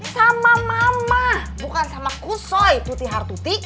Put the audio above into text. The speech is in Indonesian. sama mama bukan sama kusoy tutihar tutih